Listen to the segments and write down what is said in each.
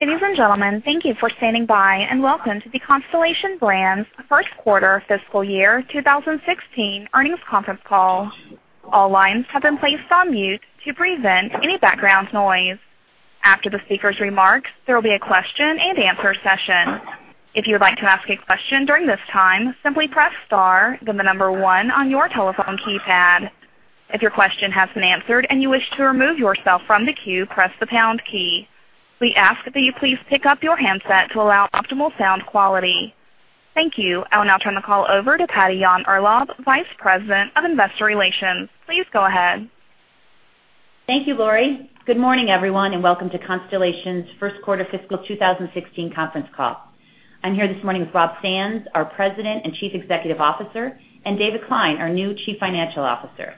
Ladies and gentlemen, thank you for standing by, and welcome to the Constellation Brands first quarter fiscal year 2016 earnings conference call. All lines have been placed on mute to prevent any background noise. After the speaker's remarks, there will be a question and answer session. If you would like to ask a question during this time, simply press star then the number one on your telephone keypad. If your question has been answered and you wish to remove yourself from the queue, press the pound key. We ask that you please pick up your handset to allow optimal sound quality. Thank you. I will now turn the call over to Patty Yahn-Urlaub, Vice President of Investor Relations. Please go ahead. Thank you, Laurie. Good morning, everyone, and welcome to Constellation's first quarter fiscal 2016 conference call. I'm here this morning with Rob Sands, our President and Chief Executive Officer, and David Klein, our new Chief Financial Officer.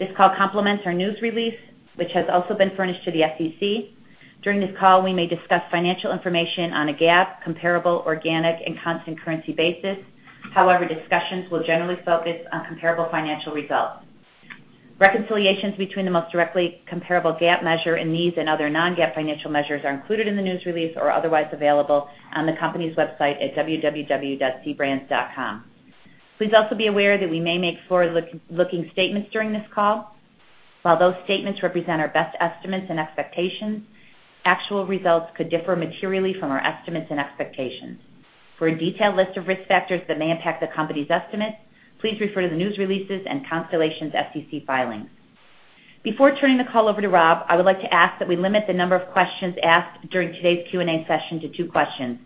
This call complements our news release, which has also been furnished to the SEC. During this call, we may discuss financial information on a GAAP, comparable, organic, and constant currency basis. Discussions will generally focus on comparable financial results. Reconciliations between the most directly comparable GAAP measure in these and other non-GAAP financial measures are included in the news release or otherwise available on the company's website at www.cbrands.com. Please also be aware that we may make forward-looking statements during this call. While those statements represent our best estimates and expectations, actual results could differ materially from our estimates and expectations. For a detailed list of risk factors that may impact the company's estimates, please refer to the news releases and Constellation's SEC filings. Before turning the call over to Rob, I would like to ask that we limit the number of questions asked during today's Q&A session to two questions.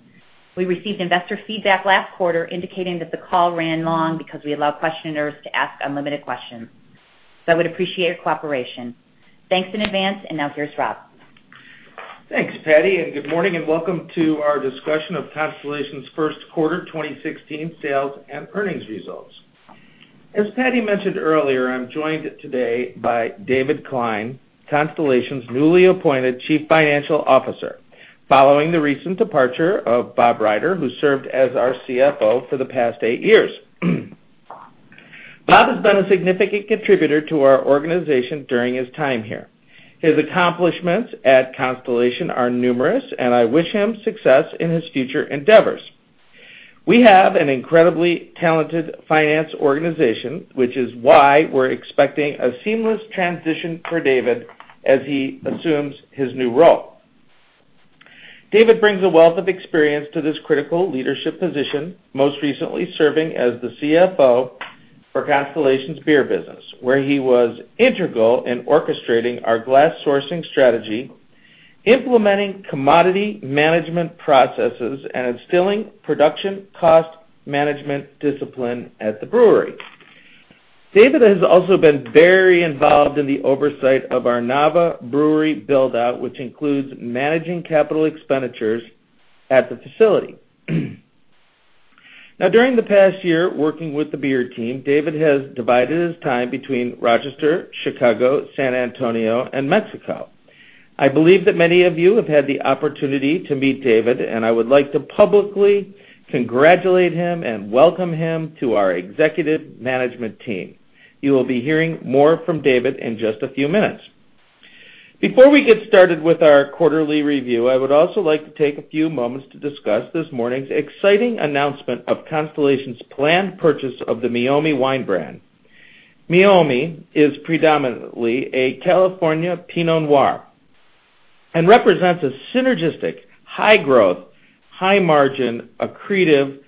We received investor feedback last quarter indicating that the call ran long because we allowed questioners to ask unlimited questions. I would appreciate your cooperation. Thanks in advance, and now here's Rob. Thanks, Patty. Good morning and welcome to our discussion of Constellation's first quarter 2016 sales and earnings results. As Patty mentioned earlier, I'm joined today by David Klein, Constellation's newly appointed chief financial officer, following the recent departure of Bob Ryder, who served as our CFO for the past eight years. Bob has been a significant contributor to our organization during his time here. His accomplishments at Constellation are numerous, and I wish him success in his future endeavors. We have an incredibly talented finance organization, which is why we're expecting a seamless transition for David as he assumes his new role. David brings a wealth of experience to this critical leadership position, most recently serving as the CFO for Constellation's beer business, where he was integral in orchestrating our glass sourcing strategy, implementing commodity management processes, and instilling production cost management discipline at the brewery. David has also been very involved in the oversight of our Nava Brewery build-out, which includes managing capital expenditures at the facility. During the past year, working with the beer team, David has divided his time between Rochester, Chicago, San Antonio and Mexico. I believe that many of you have had the opportunity to meet David, and I would like to publicly congratulate him and welcome him to our executive management team. You will be hearing more from David in just a few minutes. Before we get started with our quarterly review, I would also like to take a few moments to discuss this morning's exciting announcement of Constellation's planned purchase of the Meiomi wine brand. Meiomi is predominantly a California Pinot Noir and represents a synergistic, high-growth, high-margin, accretive,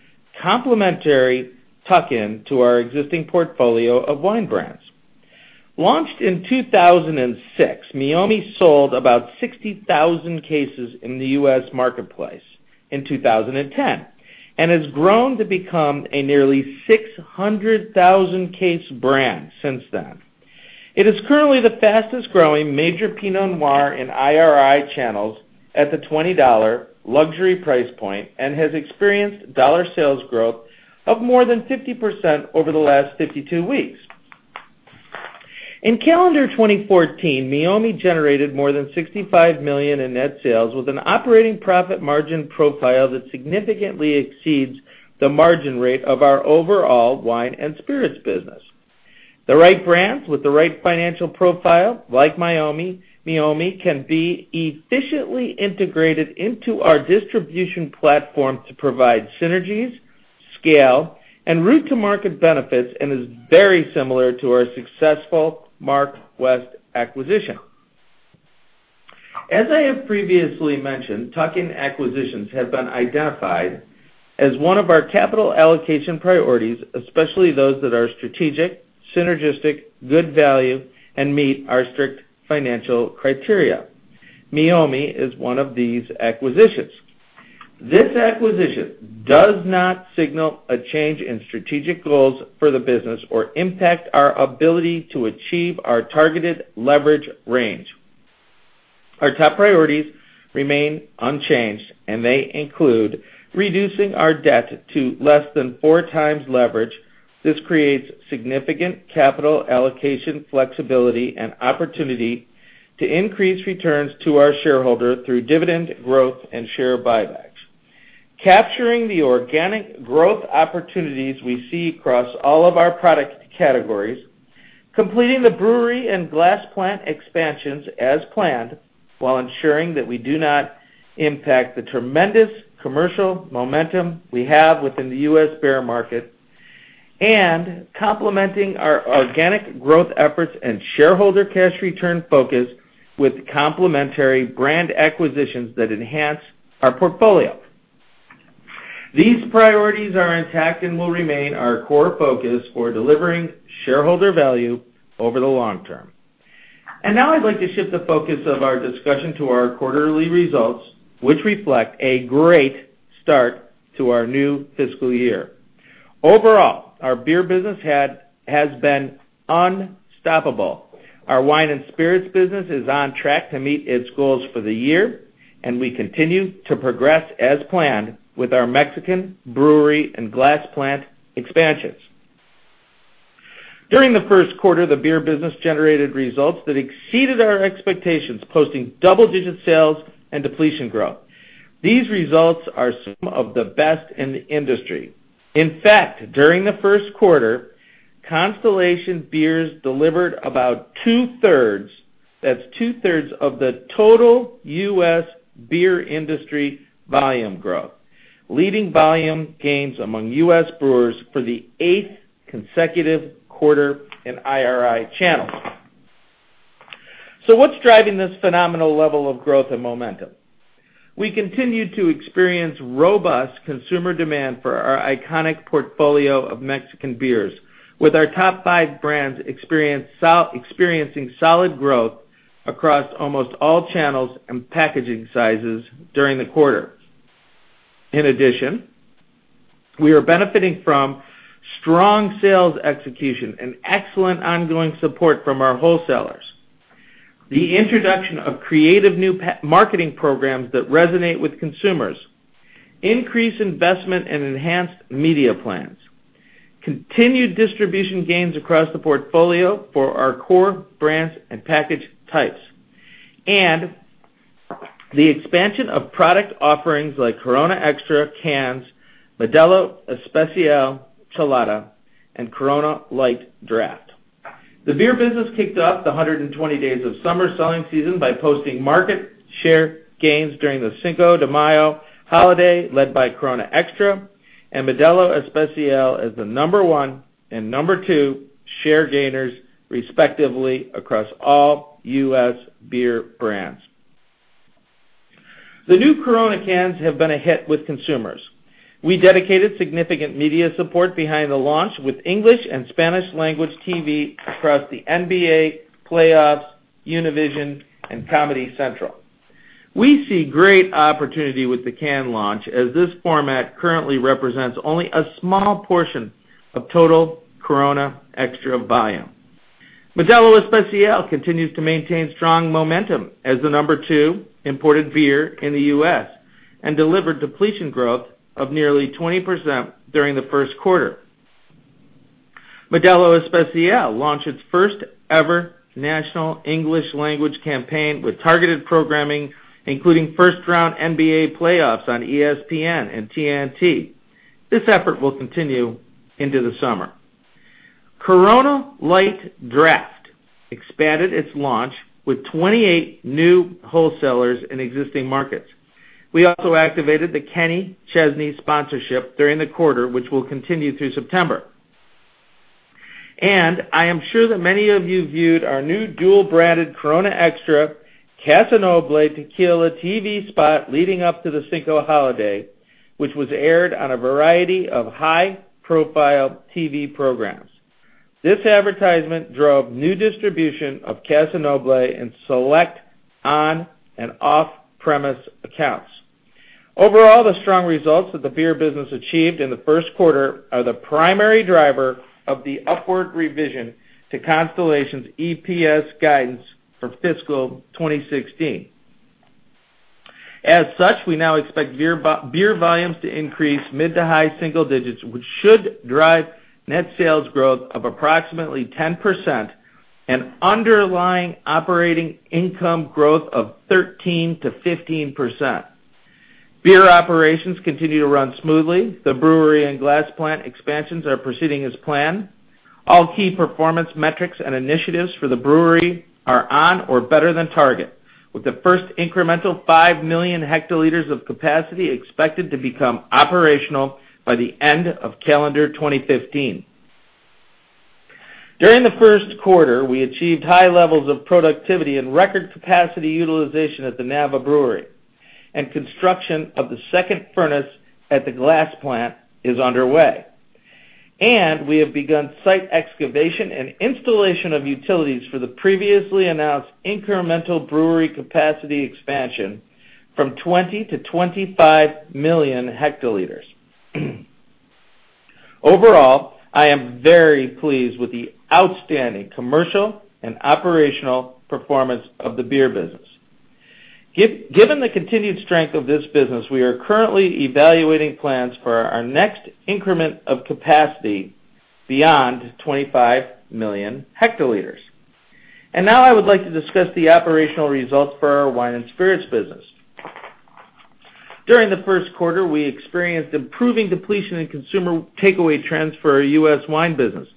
complementary tuck-in to our existing portfolio of wine brands. Launched in 2006, Meiomi sold about 60,000 cases in the U.S. marketplace in 2010 and has grown to become a nearly 600,000 case brand since then. It is currently the fastest growing major Pinot Noir in IRI channels at the $20 luxury price point and has experienced dollar sales growth of more than 50% over the last 52 weeks. In calendar 2014, Meiomi generated more than $65 million in net sales with an operating profit margin profile that significantly exceeds the margin rate of our overall wine and spirits business. The right brands with the right financial profile, like Meiomi, can be efficiently integrated into our distribution platform to provide synergies, scale, and route to market benefits and is very similar to our successful Mark West acquisition. As I have previously mentioned, tuck-in acquisitions have been identified as one of our capital allocation priorities, especially those that are strategic, synergistic, good value, and meet our strict financial criteria. Meiomi is one of these acquisitions. This acquisition does not signal a change in strategic goals for the business or impact our ability to achieve our targeted leverage range. Our top priorities remain unchanged, and they include reducing our debt to less than four times leverage. This creates significant capital allocation flexibility and opportunity to increase returns to our shareholder through dividend growth and share buyback, capturing the organic growth opportunities we see across all of our product categories, completing the brewery and glass plant expansions as planned, while ensuring that we do not impact the tremendous commercial momentum we have within the U.S. beer market, and complementing our organic growth efforts and shareholder cash return focus with complementary brand acquisitions that enhance our portfolio. These priorities are intact and will remain our core focus for delivering shareholder value over the long term. Now I'd like to shift the focus of our discussion to our quarterly results, which reflect a great start to our new fiscal year. Overall, our beer business has been unstoppable. Our wine and spirits business is on track to meet its goals for the year, and we continue to progress as planned with our Mexican brewery and glass plant expansions. During the first quarter, the beer business generated results that exceeded our expectations, posting double-digit sales and depletion growth. These results are some of the best in the industry. In fact, during the first quarter, Constellation Beers delivered about two-thirds, that's two-thirds, of the total U.S. beer industry volume growth, leading volume gains among U.S. brewers for the eighth consecutive quarter in IRI channels. What's driving this phenomenal level of growth and momentum? We continue to experience robust consumer demand for our iconic portfolio of Mexican beers with our top five brands experiencing solid growth across almost all channels and packaging sizes during the quarter. In addition, we are benefiting from strong sales execution and excellent ongoing support from our wholesalers, the introduction of creative new marketing programs that resonate with consumers, increased investment in enhanced media plans, continued distribution gains across the portfolio for our core brands and package types, and the expansion of product offerings like Corona Extra cans, Modelo Chelada Especial, and Corona Light Draft. The beer business kicked off the 120 Days of Summer selling season by posting market share gains during the Cinco de Mayo holiday, led by Corona Extra and Modelo Especial as the number 1 and number 2 share gainers, respectively, across all U.S. beer brands. The new Corona cans have been a hit with consumers. We dedicated significant media support behind the launch with English and Spanish language TV across the NBA playoffs, Univision, and Comedy Central. We see great opportunity with the can launch, as this format currently represents only a small portion of total Corona Extra volume. Modelo Especial continues to maintain strong momentum as the number 2 imported beer in the U.S. and delivered depletion growth of nearly 20% during the first quarter. Modelo Especial launched its first ever national English language campaign with targeted programming, including first-round NBA playoffs on ESPN and TNT. This effort will continue into the summer. Corona Light Draft expanded its launch with 28 new wholesalers in existing markets. We also activated the Kenny Chesney sponsorship during the quarter, which will continue through September. I am sure that many of you viewed our new dual-branded Corona Extra Casamigos Tequila TV spot leading up to the Cinco holiday, which was aired on a variety of high-profile TV programs. This advertisement drove new distribution of Casamigos in select on- and off-premise accounts. Overall, the strong results that the beer business achieved in the first quarter are the primary driver of the upward revision to Constellation's EPS guidance for fiscal 2016. As such, we now expect beer volumes to increase mid to high single digits, which should drive net sales growth of approximately 10% and underlying operating income growth of 13%-15%. Beer operations continue to run smoothly. The brewery and glass plant expansions are proceeding as planned. All key performance metrics and initiatives for the brewery are on or better than target, with the first incremental 5 million hectoliters of capacity expected to become operational by the end of calendar 2015. During the first quarter, we achieved high levels of productivity and record capacity utilization at the Nava Brewery, construction of the second furnace at the glass plant is underway. We have begun site excavation and installation of utilities for the previously announced incremental brewery capacity expansion from 20 to 25 million hectoliters. Overall, I am very pleased with the outstanding commercial and operational performance of the beer business. Given the continued strength of this business, we are currently evaluating plans for our next increment of capacity beyond 25 million hectoliters. Now I would like to discuss the operational results for our wine and spirits business. During the first quarter, we experienced improving depletion in consumer takeaway trends for our U.S. wine business,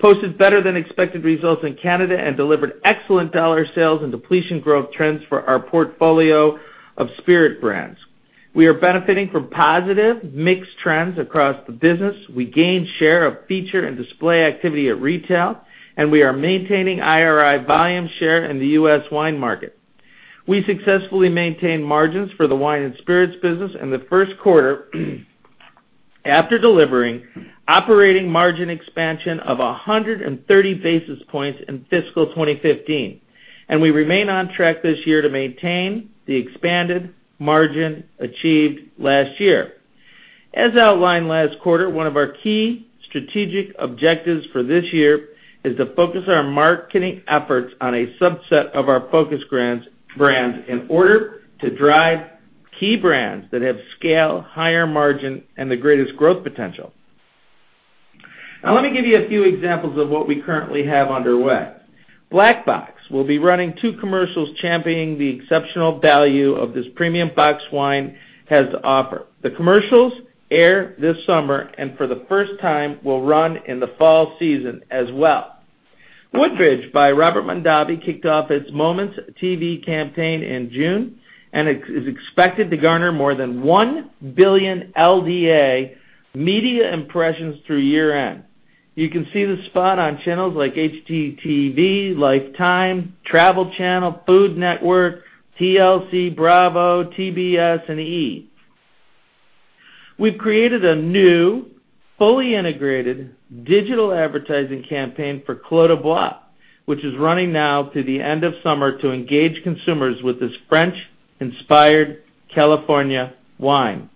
posted better than expected results in Canada, and delivered excellent dollar sales and depletion growth trends for our portfolio of spirit brands. We are benefiting from positive mixed trends across the business. We gained share of feature and display activity at retail, and we are maintaining IRI volume share in the U.S. wine market. We successfully maintained margins for the wine and spirits business in the first quarter, after delivering operating margin expansion of 130 basis points in fiscal 2015. We remain on track this year to maintain the expanded margin achieved last year. As outlined last quarter, one of our key strategic objectives for this year is to focus our marketing efforts on a subset of our focus brands in order to drive key brands that have scale, higher margin, and the greatest growth potential. Now, let me give you a few examples of what we currently have underway. Black Box will be running two commercials championing the exceptional value of this premium box wine has to offer. The commercials air this summer, and for the first time, will run in the fall season as well. Woodbridge by Robert Mondavi kicked off its Moments TV campaign in June, and is expected to garner more than one billion LDA media impressions through year-end. You can see the spot on channels like HGTV, Lifetime, Travel Channel, Food Network, TLC, Bravo, TBS, and E! We've created a new, fully integrated digital advertising campaign for Clos du Bois, which is running now to the end of summer to engage consumers with this French-inspired California wine.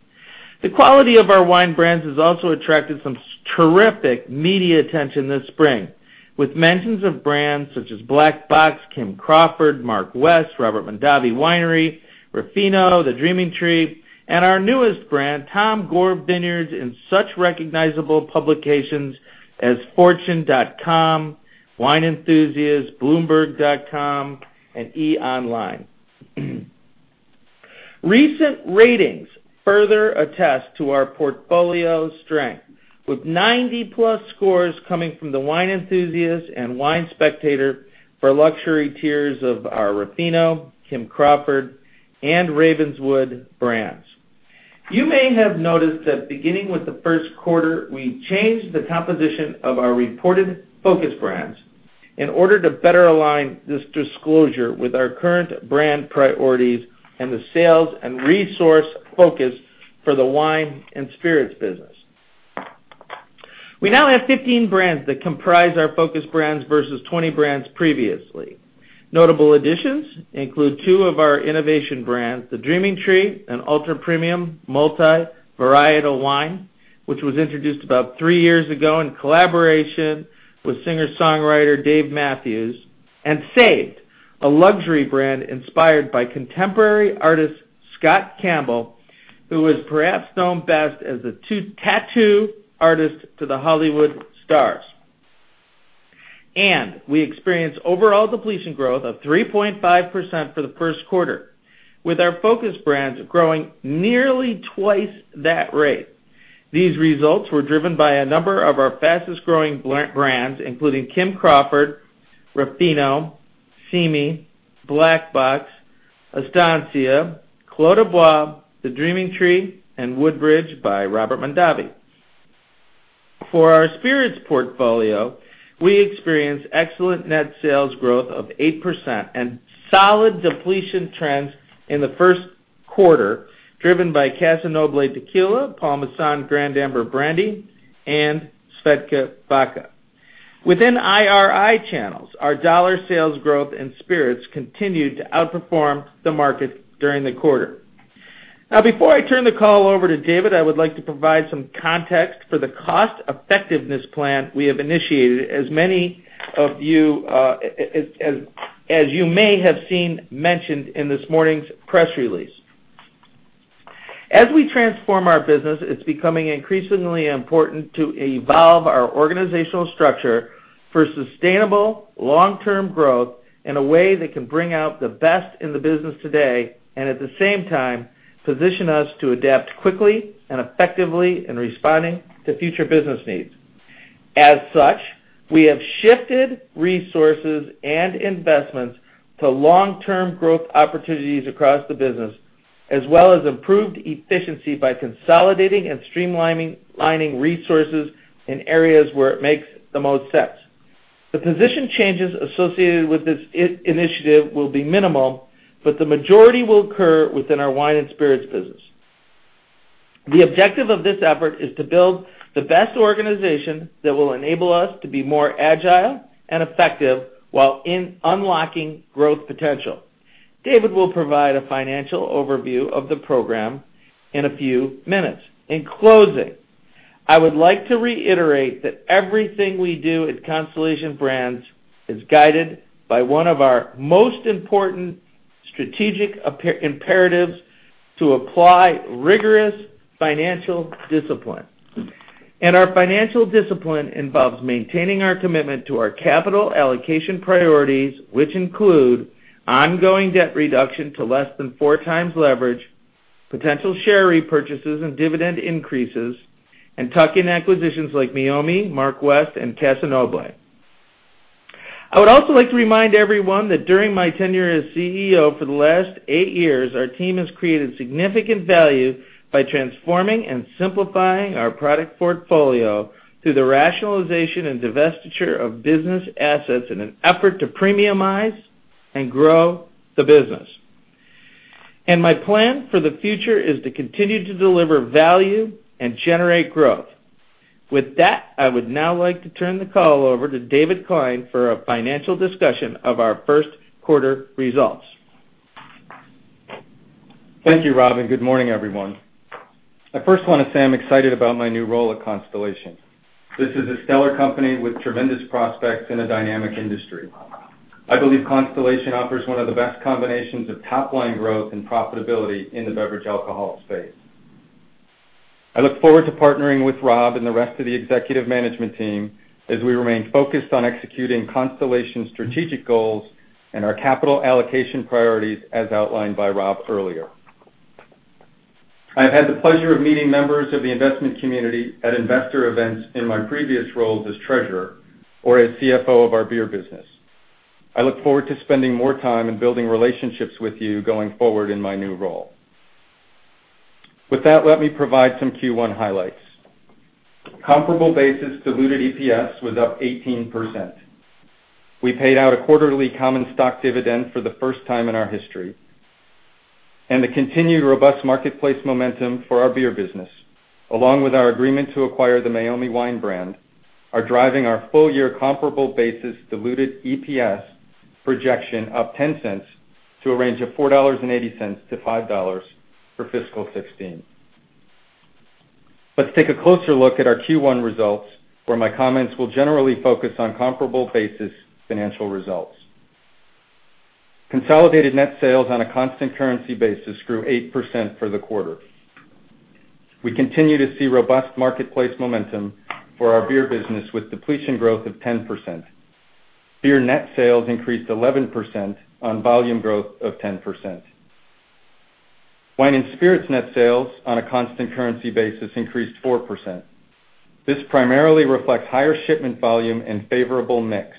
The quality of our wine brands has also attracted some terrific media attention this spring, with mentions of brands such as Black Box, Kim Crawford, Mark West, Robert Mondavi Winery, Ruffino, The Dreaming Tree, and our newest brand, Tom Gore Vineyards, in such recognizable publications as Fortune.com, Wine Enthusiast, Bloomberg.com, and E! Online. Recent ratings further attest to our portfolio's strength, with 90-plus scores coming from the Wine Enthusiast and Wine Spectator for luxury tiers of our Ruffino, Kim Crawford, and Ravenswood brands. You may have noticed that beginning with the first quarter, we changed the composition of our reported focus brands in order to better align this disclosure with our current brand priorities and the sales and resource focus for the wine and spirits business. We now have 15 brands that comprise our focus brands versus 20 brands previously. Notable additions include two of our innovation brands, The Dreaming Tree, an ultra-premium multi-varietal wine, which was introduced about three years ago in collaboration with singer-songwriter Dave Matthews, and SAVED, a luxury brand inspired by contemporary artist Scott Campbell, who is perhaps known best as the tattoo artist to the Hollywood stars. We experienced overall depletion growth of 3.5% for the first quarter, with our focus brands growing nearly twice that rate. These results were driven by a number of our fastest-growing brands, including Kim Crawford, Ruffino, Simi, Black Box, Estancia, Clos du Bois, The Dreaming Tree, and Woodbridge by Robert Mondavi. For our spirits portfolio, we experienced excellent net sales growth of 8% and solid depletion trends in the first quarter, driven by Casa Noble Tequila, Paul Masson Grande Amber Brandy, and SVEDKA Vodka. Within IRI channels, our dollar sales growth in spirits continued to outperform the market during the quarter. Before I turn the call over to David, I would like to provide some context for the cost-effectiveness plan we have initiated, as many of you may have seen mentioned in this morning's press release. As we transform our business, it's becoming increasingly important to evolve our organizational structure for sustainable long-term growth in a way that can bring out the best in the business today, and at the same time, position us to adapt quickly and effectively in responding to future business needs. We have shifted resources and investments to long-term growth opportunities across the business, as well as improved efficiency by consolidating and streamlining resources in areas where it makes the most sense. The position changes associated with this initiative will be minimal, but the majority will occur within our wine and spirits business. The objective of this effort is to build the best organization that will enable us to be more agile and effective while unlocking growth potential. David will provide a financial overview of the program in a few minutes. In closing, I would like to reiterate that everything we do at Constellation Brands is guided by one of our most important strategic imperatives To apply rigorous financial discipline. Our financial discipline involves maintaining our commitment to our capital allocation priorities, which include ongoing debt reduction to less than four times leverage, potential share repurchases and dividend increases, and tuck-in acquisitions like Meiomi, Mark West, and Casa Noble. I would also like to remind everyone that during my tenure as CEO for the last eight years, our team has created significant value by transforming and simplifying our product portfolio through the rationalization and divestiture of business assets in an effort to premiumize and grow the business. My plan for the future is to continue to deliver value and generate growth. With that, I would now like to turn the call over to David Klein for a financial discussion of our first quarter results. Thank you, Rob, and good morning, everyone. I first want to say I'm excited about my new role at Constellation Brands. This is a stellar company with tremendous prospects in a dynamic industry. I believe Constellation Brands offers one of the best combinations of top-line growth and profitability in the beverage alcohol space. I look forward to partnering with Rob and the rest of the executive management team as we remain focused on executing Constellation Brands' strategic goals and our capital allocation priorities, as outlined by Rob earlier. I've had the pleasure of meeting members of the investment community at investor events in my previous roles as treasurer or as CFO of our beer business. I look forward to spending more time and building relationships with you going forward in my new role. Let me provide some Q1 highlights. Comparable basis diluted EPS was up 18%. We paid out a quarterly common stock dividend for the first time in our history. The continued robust marketplace momentum for our beer business, along with our agreement to acquire the Meiomi wine brand, are driving our full-year comparable basis diluted EPS projection up $0.10 to a range of $4.80 to $5 for FY 2016. Let's take a closer look at our Q1 results, where my comments will generally focus on comparable basis financial results. Consolidated net sales on a constant currency basis grew 8% for the quarter. We continue to see robust marketplace momentum for our beer business, with depletion growth of 10%. Beer net sales increased 11% on volume growth of 10%. Wine and spirits net sales on a constant currency basis increased 4%. This primarily reflects higher shipment volume and favorable mix.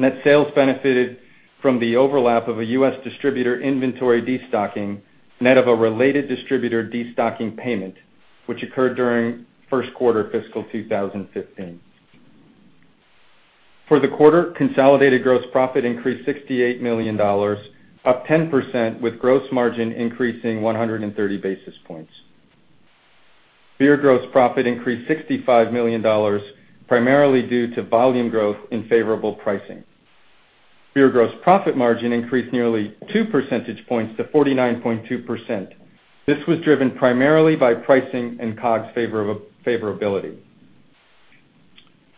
Net sales benefited from the overlap of a U.S. distributor inventory destocking, net of a related distributor destocking payment, which occurred during first quarter fiscal 2015. For the quarter, consolidated gross profit increased $68 million, up 10%, with gross margin increasing 130 basis points. Beer gross profit increased $65 million, primarily due to volume growth and favorable pricing. Beer gross profit margin increased nearly two percentage points to 49.2%. This was driven primarily by pricing and COGS favorability.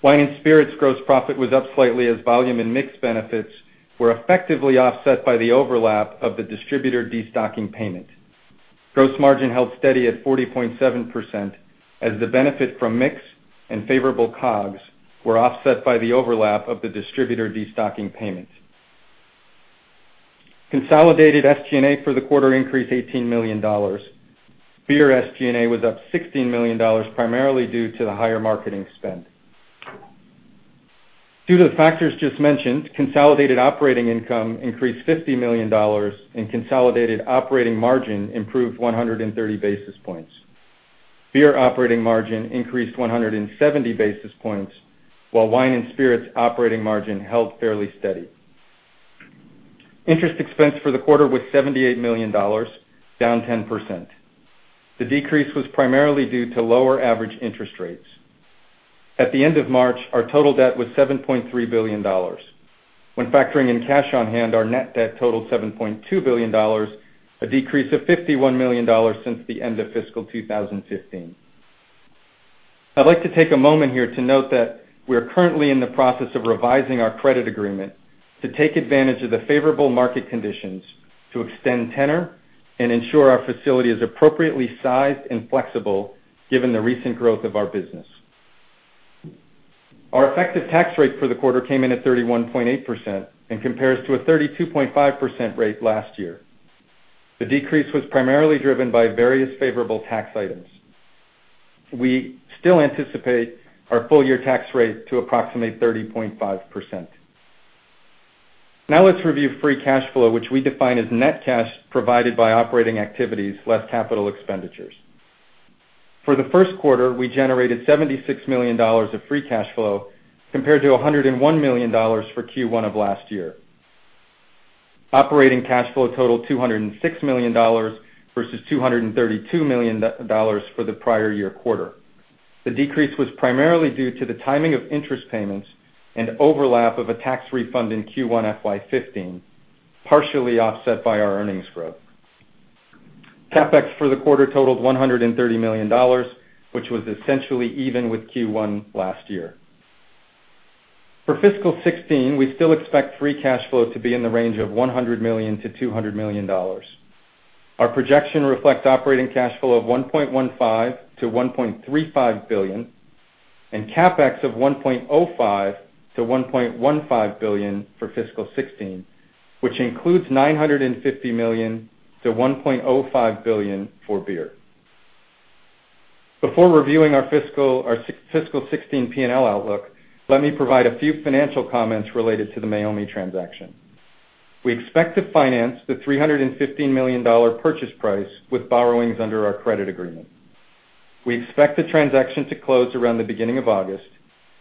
Wine and spirits gross profit was up slightly as volume and mix benefits were effectively offset by the overlap of the distributor destocking payment. Gross margin held steady at 40.7% as the benefit from mix and favorable COGS were offset by the overlap of the distributor destocking payment. Consolidated SG&A for the quarter increased $18 million. Beer SG&A was up $16 million, primarily due to the higher marketing spend. Due to the factors just mentioned, consolidated operating income increased $50 million, and consolidated operating margin improved 130 basis points. Beer operating margin increased 170 basis points, while wine and spirits operating margin held fairly steady. Interest expense for the quarter was $78 million, down 10%. The decrease was primarily due to lower average interest rates. At the end of March, our total debt was $7.3 billion. When factoring in cash on hand, our net debt totaled $7.2 billion, a decrease of $51 million since the end of fiscal 2015. I'd like to take a moment here to note that we are currently in the process of revising our credit agreement to take advantage of the favorable market conditions to extend tenor and ensure our facility is appropriately sized and flexible given the recent growth of our business. Our effective tax rate for the quarter came in at 31.8% and compares to a 32.5% rate last year. The decrease was primarily driven by various favorable tax items. We still anticipate our full-year tax rate to approximate 30.5%. Now let's review free cash flow, which we define as net cash provided by operating activities less capital expenditures. For the first quarter, we generated $76 million of free cash flow, compared to $101 million for Q1 of last year. Operating cash flow totaled $206 million versus $232 million for the prior year quarter. The decrease was primarily due to the timing of interest payments and overlap of a tax refund in Q1 FY 2015, partially offset by our earnings growth. CapEx for the quarter totaled $130 million, which was essentially even with Q1 last year. For fiscal 2016, we still expect free cash flow to be in the range of $100 million-$200 million. Our projection reflects operating cash flow of $1.15 billion-$1.35 billion and CapEx of $1.05 billion-$1.15 billion for fiscal 2016, which includes $950 million-$1.05 billion for beer. Before reviewing our fiscal 2016 P&L outlook, let me provide a few financial comments related to the Meiomi transaction. We expect to finance the $315 million purchase price with borrowings under our credit agreement. We expect the transaction to close around the beginning of August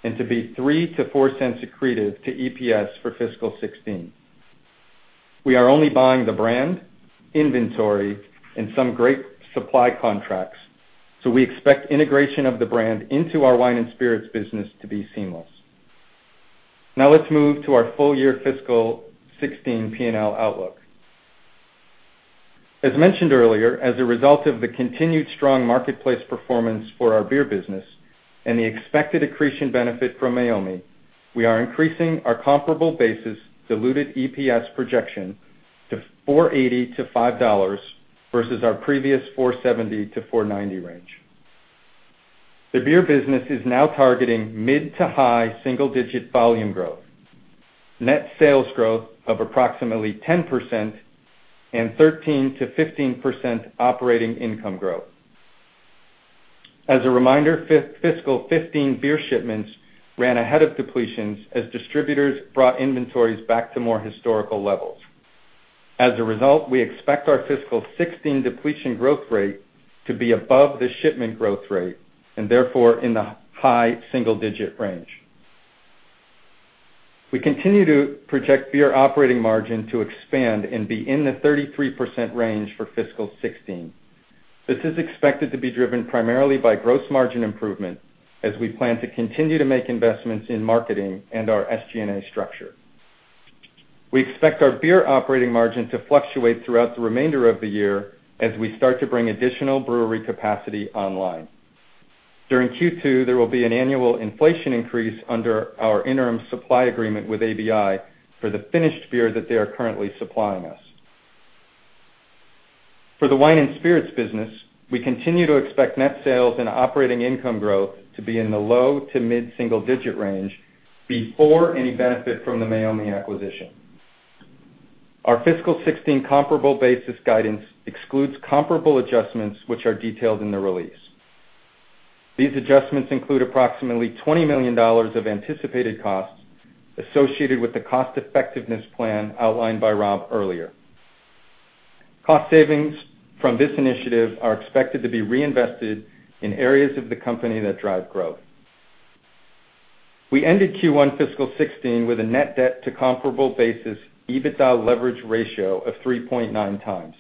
and to be $0.03-$0.04 accretive to EPS for fiscal 2016. We are only buying the brand, inventory, and some great supply contracts, so we expect integration of the brand into our wine and spirits business to be seamless. Now let's move to our full year fiscal 2016 P&L outlook. As mentioned earlier, as a result of the continued strong marketplace performance for our beer business and the expected accretion benefit from Meiomi, we are increasing our comparable basis diluted EPS projection to $4.80-$5 versus our previous $4.70-$4.90 range. The beer business is now targeting mid to high single-digit volume growth, net sales growth of approximately 10%, and 13%-15% operating income growth. As a reminder, fiscal 2015 beer shipments ran ahead of depletions as distributors brought inventories back to more historical levels. As a result, we expect our fiscal 2016 depletion growth rate to be above the shipment growth rate, and therefore, in the high single digit range. We continue to project beer operating margin to expand and be in the 33% range for fiscal 2016. This is expected to be driven primarily by gross margin improvement as we plan to continue to make investments in marketing and our SG&A structure. We expect our beer operating margin to fluctuate throughout the remainder of the year as we start to bring additional brewery capacity online. During Q2, there will be an annual inflation increase under our interim supply agreement with ABI for the finished beer that they are currently supplying us. For the wine and spirits business, we continue to expect net sales and operating income growth to be in the low to mid single digit range before any benefit from the Meiomi acquisition. Our fiscal 2016 comparable basis guidance excludes comparable adjustments, which are detailed in the release. These adjustments include approximately $20 million of anticipated costs associated with the cost effectiveness plan outlined by Rob earlier. Cost savings from this initiative are expected to be reinvested in areas of the company that drive growth. We ended Q1 fiscal 2016 with a net debt to comparable basis, EBITDA leverage ratio of 3.9 times.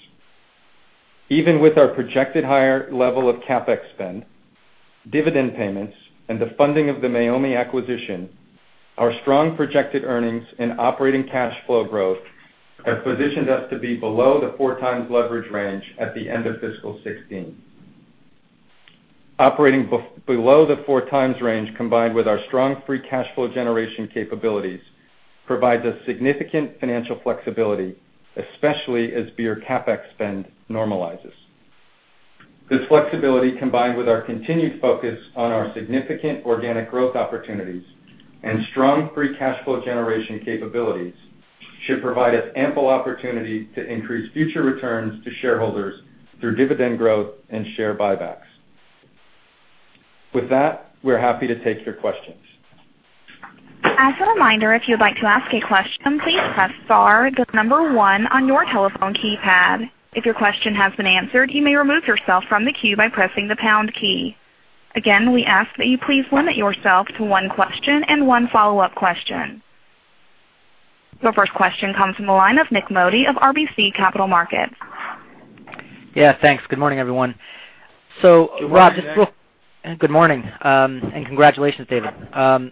Even with our projected higher level of CapEx spend, dividend payments, and the funding of the Meiomi acquisition, our strong projected earnings and operating cash flow growth have positioned us to be below the 4 times leverage range at the end of fiscal 2016. Operating below the 4 times range, combined with our strong free cash flow generation capabilities, provides us significant financial flexibility, especially as beer CapEx spend normalizes. This flexibility, combined with our continued focus on our significant organic growth opportunities and strong free cash flow generation capabilities, should provide us ample opportunity to increase future returns to shareholders through dividend growth and share buybacks. With that, we're happy to take your questions. As a reminder, if you'd like to ask a question, please press star the number one on your telephone keypad. If your question has been answered, you may remove yourself from the queue by pressing the pound key. Again, we ask that you please limit yourself to one question and one follow-up question. Your first question comes from the line of Nik Modi of RBC Capital Markets. Yeah, thanks. Good morning, everyone. Good morning, Nik. Good morning, and congratulations, David. A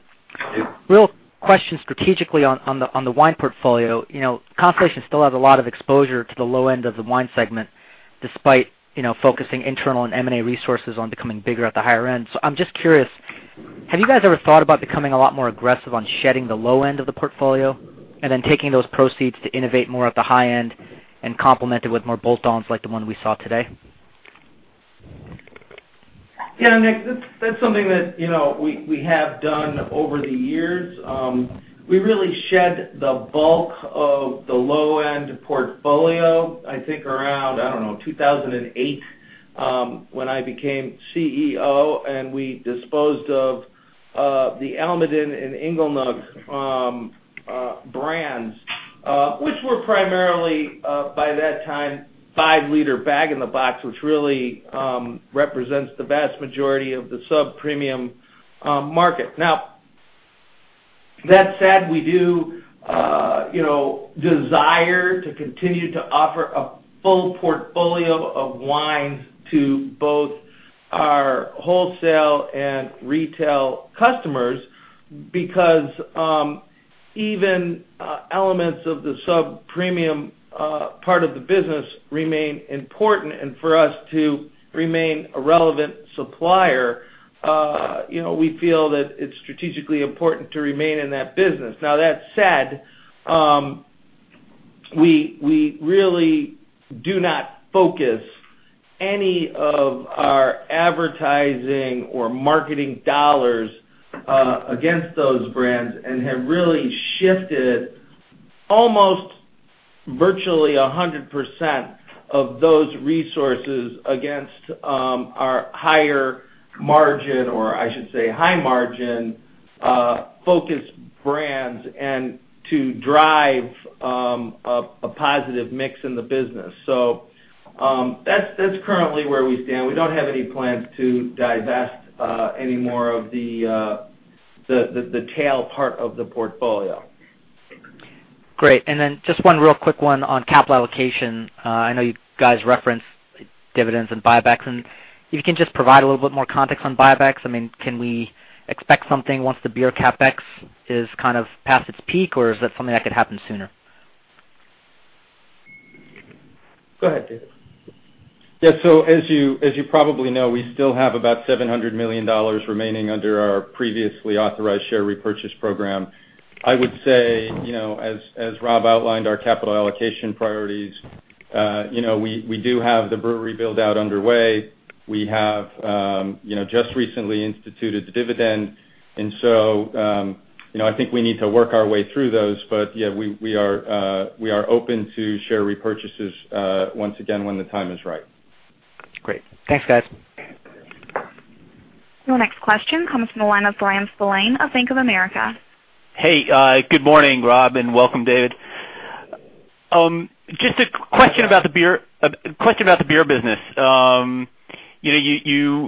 real question strategically on the wine portfolio. Constellation still has a lot of exposure to the low end of the wine segment, despite focusing internal and M&A resources on becoming bigger at the higher end. I'm just curious, have you guys ever thought about becoming a lot more aggressive on shedding the low end of the portfolio and then taking those proceeds to innovate more at the high end and complement it with more bolt-ons like the one we saw today? Yeah, Nik, that's something that we have done over the years. We really shed the bulk of the low-end portfolio, I think around, I don't know, 2008, when I became CEO, and we disposed of the Almaden and Inglenook brands, which were primarily, by that time, five-liter bag in the box, which really represents the vast majority of the sub-premium market. That said, we do desire to continue to offer a full portfolio of wines to both our wholesale and retail customers because Even elements of the sub-premium part of the business remain important, and for us to remain a relevant supplier, we feel that it's strategically important to remain in that business. That said, we really do not focus any of our advertising or marketing dollars against those brands and have really shifted almost virtually 100% of those resources against our higher margin, or I should say high-margin focused brands, and to drive a positive mix in the business. That's currently where we stand. We don't have any plans to divest any more of the tail part of the portfolio. Great. Just one real quick one on capital allocation. I know you guys referenced dividends and buybacks, if you can just provide a little bit more context on buybacks. Can we expect something once the beer CapEx is kind of past its peak, or is that something that could happen sooner? Go ahead, David. Yeah. As you probably know, we still have about $700 million remaining under our previously authorized share repurchase program. I would say, as Rob outlined, our capital allocation priorities, we do have the brewery build-out underway. We have just recently instituted the dividend. I think we need to work our way through those. Yeah, we are open to share repurchases once again when the time is right. Great. Thanks, guys. Your next question comes from the line of Bryan Spillane of Bank of America. Good morning, Rob, and welcome, David. Just a question about the beer business. You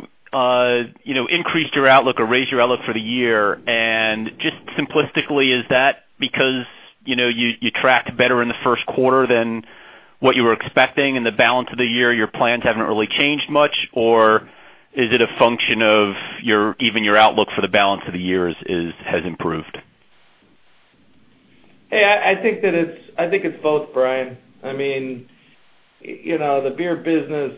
increased your outlook or raised your outlook for the year, just simplistically, is that because you tracked better in the first quarter than what you were expecting, and the balance of the year, your plans haven't really changed much? Or is it a function of even your outlook for the balance of the year has improved? I think it's both, Bryan. The beer business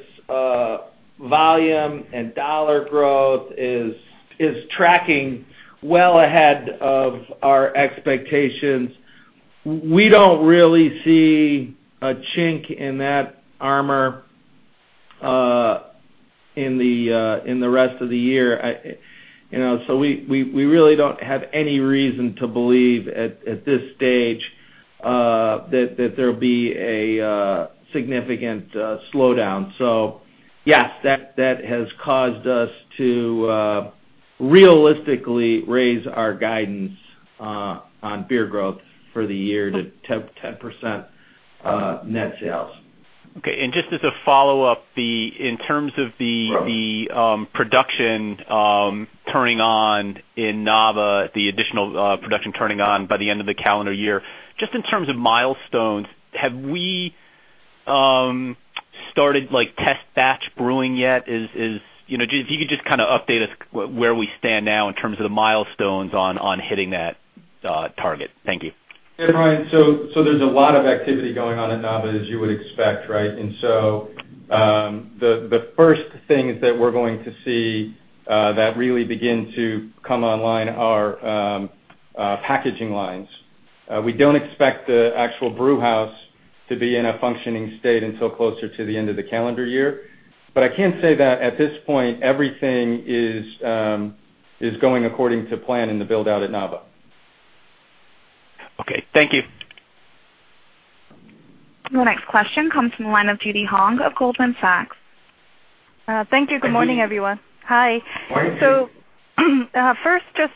volume and dollar growth is tracking well ahead of our expectations. We don't really see a chink in that armor in the rest of the year. We really don't have any reason to believe at this stage that there'll be a significant slowdown. Yes, that has caused us to realistically raise our guidance on beer growth for the year to 10% net sales. Just as a follow-up, in terms of the production turning on in Nava, the additional production turning on by the end of the calendar year, just in terms of milestones, have we started test batch brewing yet? If you could just update us where we stand now in terms of the milestones on hitting that target. Thank you. Bryan. There's a lot of activity going on at Nava, as you would expect. The first things that we're going to see that really begin to come online are packaging lines. We don't expect the actual brewhouse to be in a functioning state until closer to the end of the calendar year. I can say that at this point, everything is going according to plan in the build-out at Nava. Okay. Thank you. The next question comes from the line of Judy Hong of Goldman Sachs. Thank you. Good morning, everyone. Hi, Judy. Hi. First, just,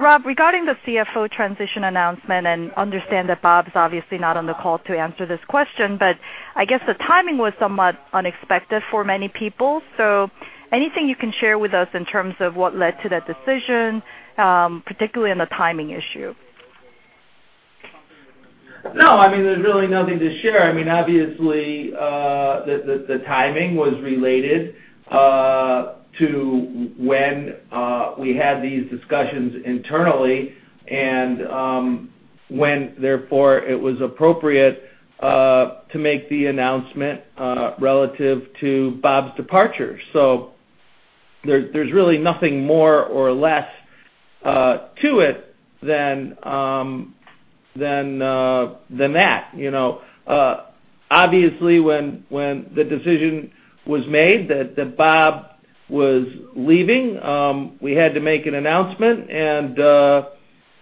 Rob, regarding the CFO transition announcement, I understand that Bob's obviously not on the call to answer this question, I guess the timing was somewhat unexpected for many people. Anything you can share with us in terms of what led to that decision, particularly on the timing issue? No, there's really nothing to share. Obviously, the timing was related to when we had these discussions internally, and when, therefore, it was appropriate to make the announcement relative to Bob's departure. There's really nothing more or less to it than that. Obviously, when the decision was made that Bob was leaving, we had to make an announcement, I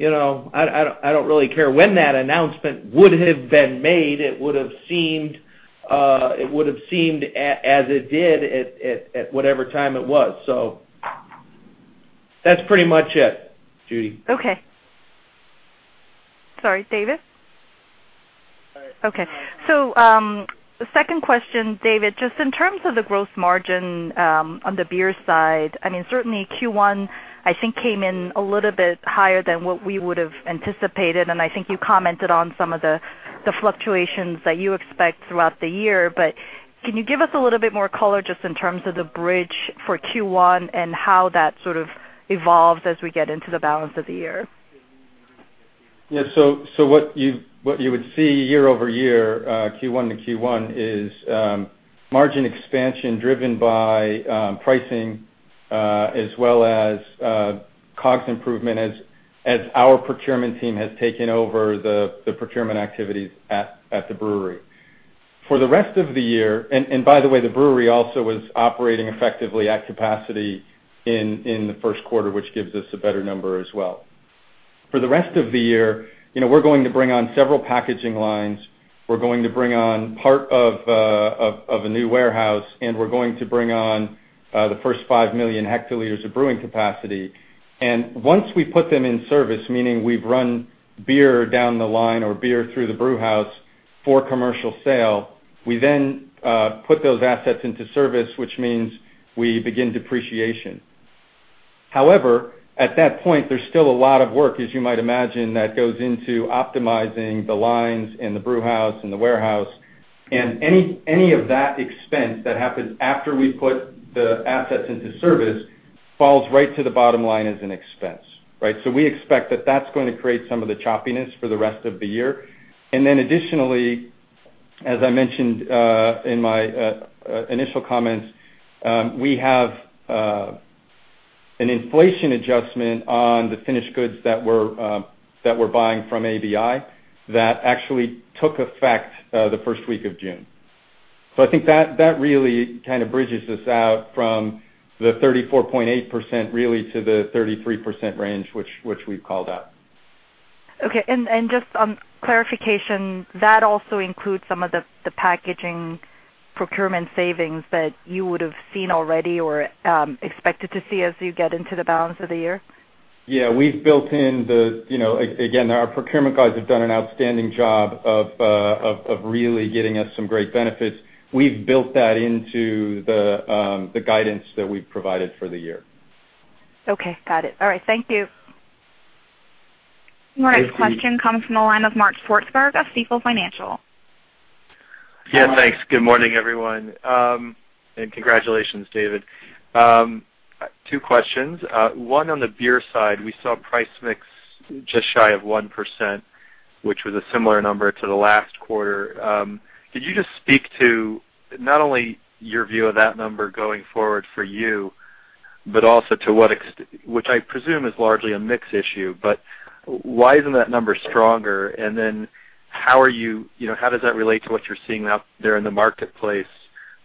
don't really care when that announcement would have been made, it would've seemed as it did at whatever time it was. That's pretty much it, Judy. Okay. Sorry, David? Okay. The second question, David, just in terms of the growth margin on the beer side, certainly Q1, I think, came in a little bit higher than what we would have anticipated, I think you commented on some of the fluctuations that you expect throughout the year. Can you give us a little bit more color just in terms of the bridge for Q1 and how that sort of evolves as we get into the balance of the year? Yeah. What you would see year-over-year, Q1 to Q1, is margin expansion driven by pricing as well as COGS improvement as our procurement team has taken over the procurement activities at the brewery. For the rest of the year. By the way, the brewery also was operating effectively at capacity in the first quarter, which gives us a better number as well. For the rest of the year, we're going to bring on several packaging lines, we're going to bring on part of a new warehouse, and we're going to bring on the first 5 million hectoliters of brewing capacity. Once we put them in service, meaning we've run beer down the line or beer through the brewhouse for commercial sale, we then put those assets into service, which means we begin depreciation. However, at that point, there's still a lot of work, as you might imagine, that goes into optimizing the lines and the brewhouse and the warehouse. Any of that expense that happens after we put the assets into service falls right to the bottom line as an expense. We expect that that's going to create some of the choppiness for the rest of the year. Then additionally, as I mentioned in my initial comments, we have an inflation adjustment on the finished goods that we're buying from ABI that actually took effect the first week of June. I think that really kind of bridges us out from the 34.8% really to the 33% range, which we've called out. Okay. Just clarification, that also includes some of the packaging procurement savings that you would've seen already or expected to see as you get into the balance of the year? Yeah, we've built in. Again, our procurement guys have done an outstanding job of really getting us some great benefits. We've built that into the guidance that we've provided for the year. Okay, got it. All right, thank you. The next question comes from the line of Mark Swartzberg of Stifel Financial. Yeah, thanks. Good morning, everyone. Congratulations, David. Two questions. One on the beer side, we saw price mix just shy of 1%, which was a similar number to the last quarter. Could you just speak to not only your view of that number going forward for you, but also to what which I presume is largely a mix issue, why isn't that number stronger? How does that relate to what you're seeing out there in the marketplace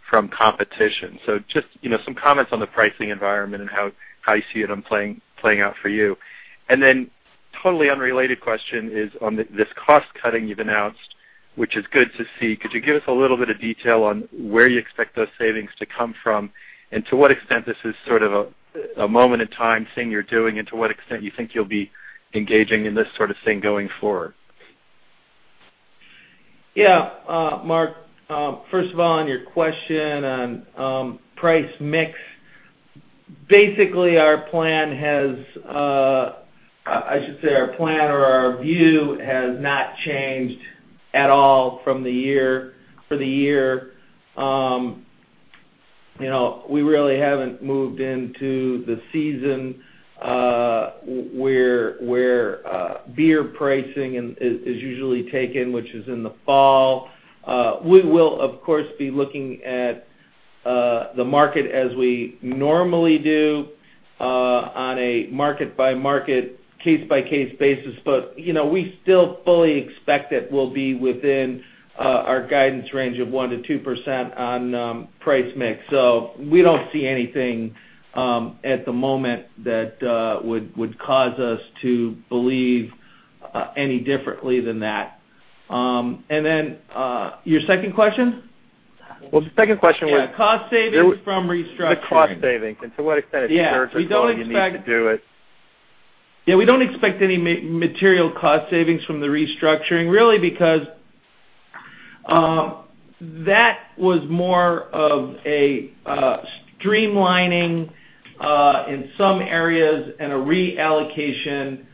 from competition? Just some comments on the pricing environment and how you see it playing out for you. Totally unrelated question is on this cost cutting you've announced, which is good to see. Could you give us a little bit of detail on where you expect those savings to come from, and to what extent this is sort of a moment in time thing you're doing, and to what extent you think you'll be engaging in this sort of thing going forward? Yeah. Mark, first of all on your question on price mix, basically our plan or our view has not changed at all for the year. We really haven't moved into the season where beer pricing is usually taken, which is in the fall. We will, of course, be looking at the market as we normally do on a market-by-market, case-by-case basis. We still fully expect it will be within our guidance range of 1%-2% on price mix. We don't see anything at the moment that would cause us to believe any differently than that. Your second question? Well, the second question was- Yeah, cost savings from restructuring the cost savings and to what extent it's- Yeah Purposeful, you need to do it. Yeah, we don't expect any material cost savings from the restructuring, really because that was more of a streamlining in some areas and a reallocation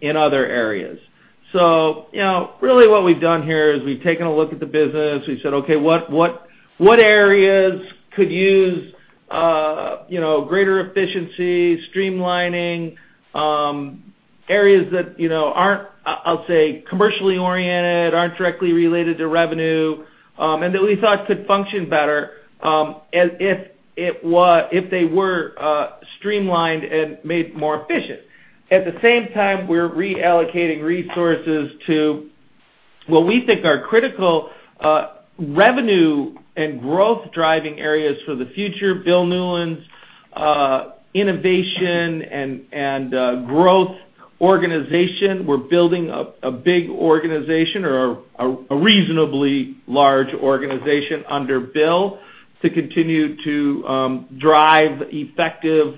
in other areas. Really what we've done here is we've taken a look at the business. We've said, "Okay, what areas could use greater efficiency, streamlining, areas that aren't, I'll say, commercially oriented, aren't directly related to revenue, and that we thought could function better if they were streamlined and made more efficient?" At the same time, we're reallocating resources to what we think are critical revenue and growth driving areas for the future. Bill Newlands' innovation and growth organization. We're building a big organization or a reasonably large organization under Bill to continue to drive effective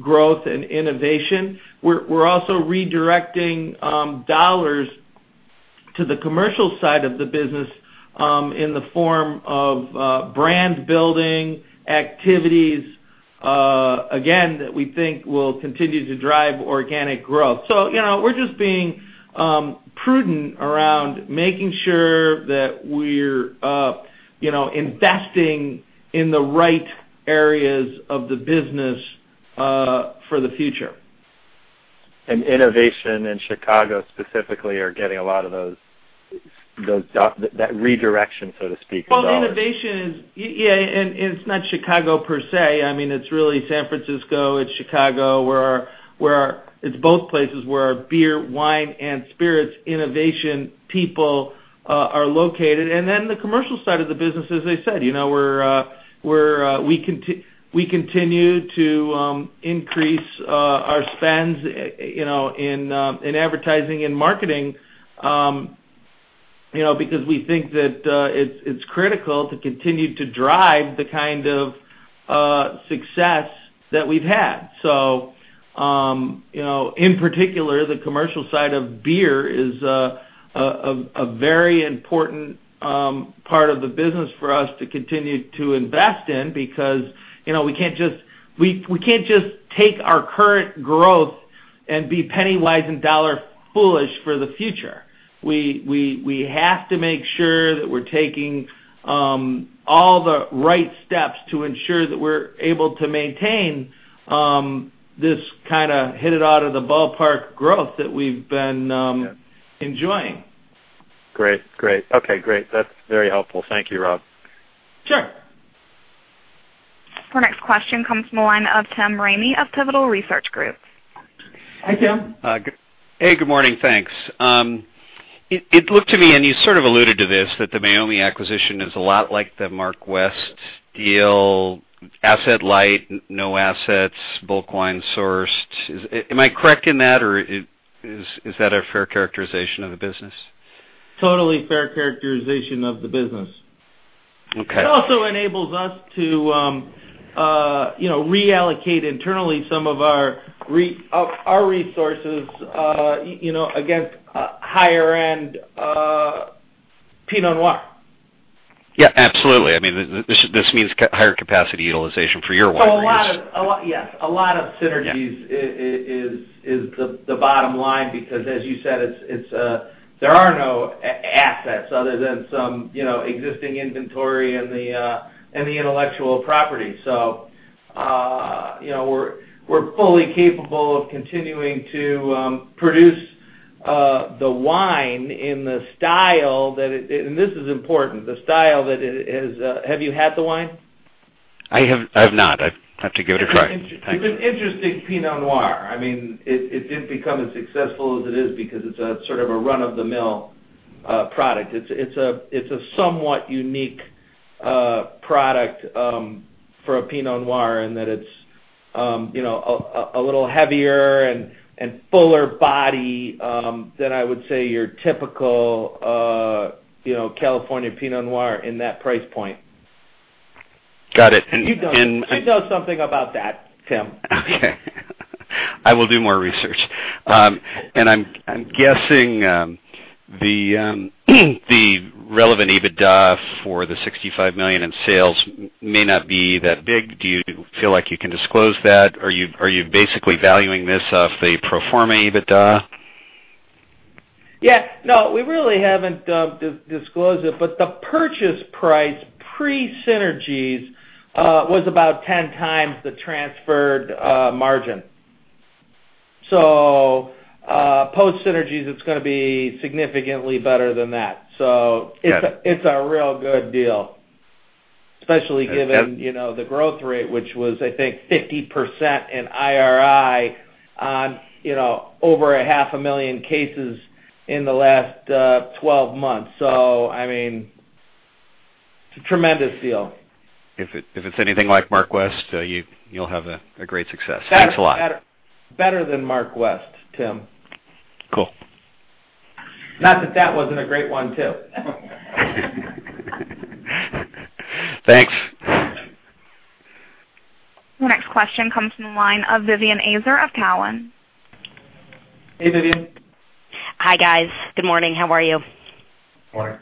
growth and innovation. We're also redirecting dollars to the commercial side of the business in the form of brand building activities. Again, that we think will continue to drive organic growth. We're just being prudent around making sure that we're investing in the right areas of the business for the future. Innovation in Chicago specifically are getting a lot of those, that redirection, so to speak, as well. The innovation is, yeah, it's not Chicago per se. It's really San Francisco, it's Chicago, it's both places where our beer, wine, and spirits innovation people are located. The commercial side of the business, as I said, we continue to increase our spends in advertising and marketing, because we think that it's critical to continue to drive the kind of success that we've had. In particular, the commercial side of beer is a very important part of the business for us to continue to invest in because we can't just take our current growth and be penny-wise and dollar foolish for the future. We have to make sure that we're taking all the right steps to ensure that we're able to maintain this kind of hit it out of the ballpark growth that we've been. Yeah enjoying. Great. Great. That's very helpful. Thank you, Rob. Sure. Our next question comes from the line of Tim Ramey of Pivotal Research Group. Hi, Tim. Hey, good morning. Thanks. It looked to me, and you sort of alluded to this, that the Meiomi acquisition is a lot like the Mark West deal, asset light, no assets, bulk wine sourced. Am I correct in that, or is that a fair characterization of the business? Totally fair characterization of the business. Okay. It also enables us to reallocate internally some of our resources against higher end Pinot Noir. Yeah, absolutely. This means higher capacity utilization for your wine range. Yes. A lot of synergies. Yeah is the bottom line, because as you said, there are no assets other than some existing inventory and the intellectual property. We're fully capable of continuing to produce the wine in the style that is. This is important. Have you had the wine? I have not. I've to give it a try. It's an interesting Pinot Noir. It didn't become as successful as it is because it's a sort of a run-of-the-mill product. It's a somewhat unique product, for a Pinot Noir, in that it's a little heavier and fuller body than I would say your typical California Pinot Noir in that price point. Got it. You'd know something about that, Tim. Okay. I will do more research. Awesome. I'm guessing the relevant EBITDA for the $65 million in sales may not be that big. Do you feel like you can disclose that? Are you basically valuing this off the pro forma EBITDA? Yeah. No, we really haven't disclosed it, the purchase price, pre-synergies, was about 10 times the transferred margin. Post synergies, it's gonna be significantly better than that. Got it it's a real good deal, especially given the growth rate, which was, I think 50% in IRI on over a half a million cases in the last 12 months. It's a tremendous deal. If it's anything like Mark West, you'll have a great success. Thanks a lot. Better than Mark West, Tim. Cool. Not that that wasn't a great one, too. Thanks. The next question comes from the line of Vivien Azer of Cowen. Hey, Vivien. Hi, guys. Good morning. How are you? Morning.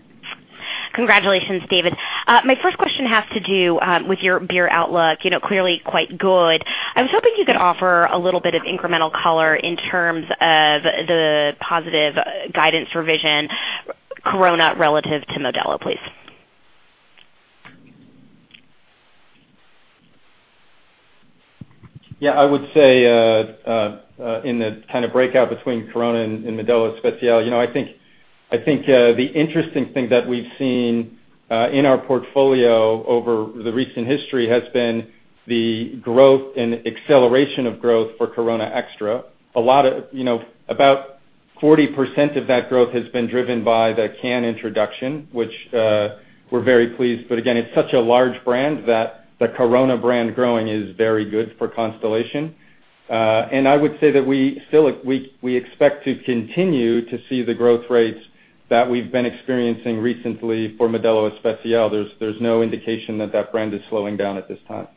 Congratulations, David. My first question has to do with your beer outlook, clearly quite good. I was hoping you could offer a little bit of incremental color in terms of the positive guidance revision, Corona relative to Modelo, please. I would say, in the kind of breakout between Corona and Modelo Especial. I think the interesting thing that we've seen in our portfolio over the recent history has been the growth and acceleration of growth for Corona Extra. About 40% of that growth has been driven by the can introduction, which we're very pleased. Again, it's such a large brand that the Corona brand growing is very good for Constellation. I would say that we expect to continue to see the growth rates that we've been experiencing recently for Modelo Especial. There's no indication that brand is slowing down at this time.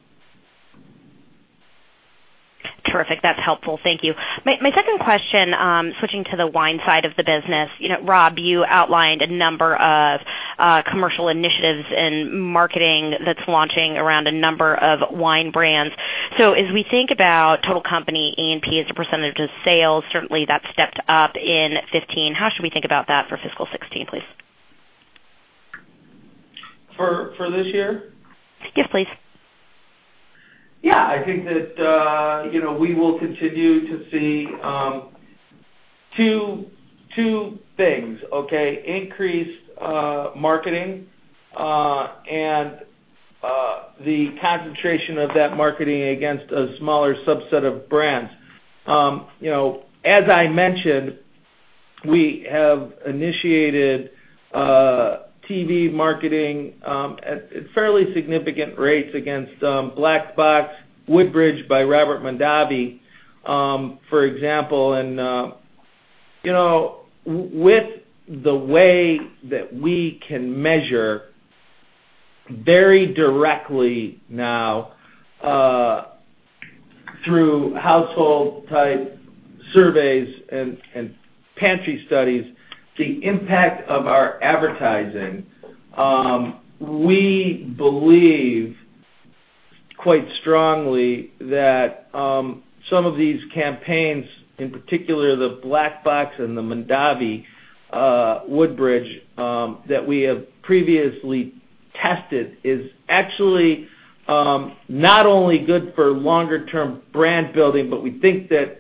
Terrific. That's helpful. Thank you. My second question, switching to the wine side of the business. Rob, you outlined a number of commercial initiatives and marketing that's launching around a number of wine brands. As we think about total company A&P as a percentage of sales, certainly that stepped up in 2015. How should we think about that for fiscal 2016, please? For this year? Yes, please. Yeah. I think that we will continue to see two things, okay? Increased marketing, and the concentration of that marketing against a smaller subset of brands. As I mentioned, we have initiated TV marketing, at fairly significant rates against Black Box, Woodbridge by Robert Mondavi, for example. With the way that we can measure very directly now, through household type surveys and pantry studies, the impact of our advertising, we believe quite strongly that some of these campaigns, in particular the Black Box and the Mondavi, Woodbridge, that we have previously tested, is actually not only good for longer term brand building, but we think that